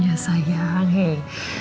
ya ampun jangan nangis dong